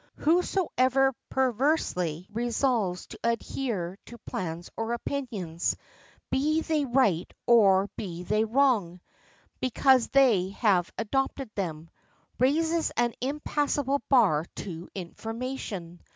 Whosoever perversely resolves to adhere to plans or opinions, be they right or be they wrong, because they have adopted them, raises an impassable bar to information.